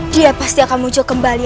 dia pasti akan muncul kembali